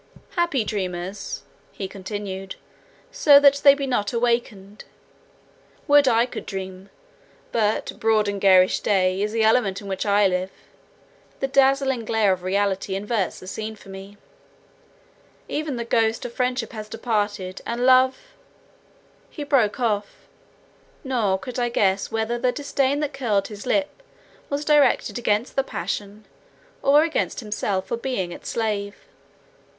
"Happy are dreamers," he continued, "so that they be not awakened! Would I could dream! but 'broad and garish day' is the element in which I live; the dazzling glare of reality inverts the scene for me. Even the ghost of friendship has departed, and love"——He broke off; nor could I guess whether the disdain that curled his lip was directed against the passion, or against himself for being its slave.